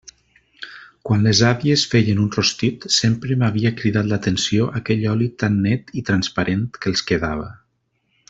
Quan les àvies feien un rostit, sempre m'havia cridat l'atenció aquell oli tan net i transparent que els quedava.